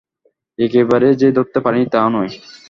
একেবারেই যে ধরতে পারি নি, তা নয়।